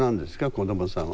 子どもさんは。